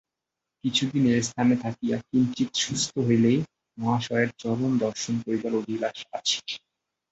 কিছুদিন এস্থানে থাকিয়া কিঞ্চিৎ সুস্থ হইলেই মহাশয়ের চরণ দর্শন করিবার অভিলাষ আছে।